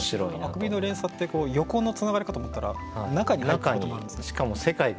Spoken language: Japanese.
あくびの連鎖って横のつながりかと思ったら中に入っていくこともあるんですね。